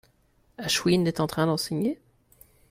Ashwin est en train d'enseigner ?